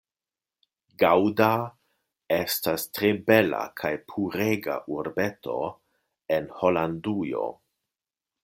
Gaŭda estas tre bela kaj purega urbeto en Holandujo.